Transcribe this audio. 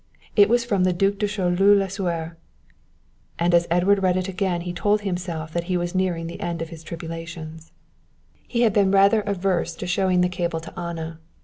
It was from the Duc de Choleaux Lasuer, and as Edward read it again he told himself that he was nearing the end of his tribulations. He had been rather averse to showing the cable to Anna.